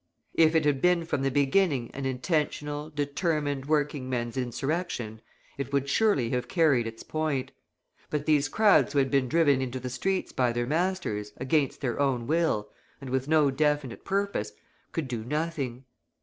If it had been from the beginning an intentional, determined working men's insurrection, it would surely have carried its point; but these crowds who had been driven into the streets by their masters, against their own will, and with no definite purpose, could do nothing.